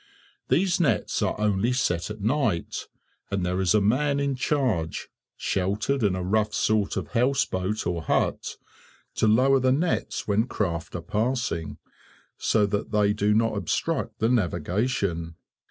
These nets are only set at night, and there is a man in charge (sheltered in a rough sort of house boat or hut), to lower the nets when craft are passing, so that they do not obstruct the navigation.